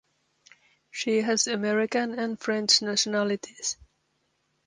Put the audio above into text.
She has American and French nationalities.